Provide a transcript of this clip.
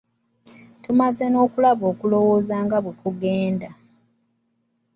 Tumaze nno okulaba okulowooza nga bwe kugenda.